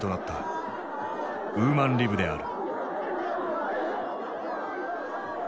ウーマンリブである。